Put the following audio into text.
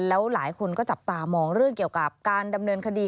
แล้วหลายคนก็จับตามองเรื่องเกี่ยวกับการดำเนินคดี